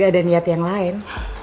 ada niat yang lain